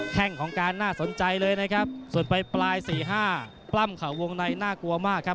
แค่งของการน่าสนใจเลยนะครับส่วนไปปลายสี่ห้าปล้ำเข่าวงในน่ากลัวมากครับ